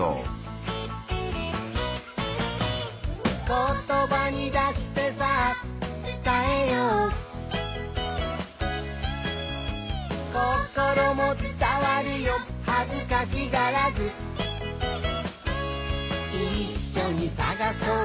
「ことばに出してさあつたえよう」「こころもつたわるよはずかしがらず」「いっしょにさがそう！